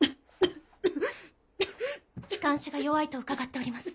気管支が弱いと伺っております。